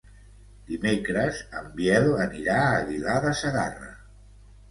Dimecres en Biel anirà a Aguilar de Segarra.